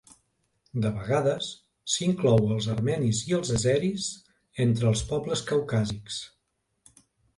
De vegades, s'inclou els armenis i els àzeris entre els pobles caucàsics.